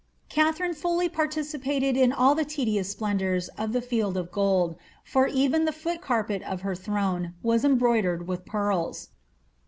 Katharine fully participated in all the tedious splendours of the Field of Gold, for even the foot carpet of her throne was embroidered with pearls.